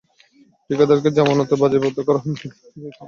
ঠিকাদারদের জামানতের টাকা বাজেয়াপ্ত করার হুমকি দিয়েও কোনো কাজ হচ্ছে না।